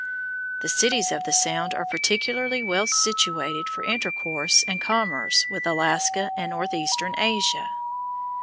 The cities of the sound are particularly well situated for intercourse and commerce with Alaska and northeastern Asia.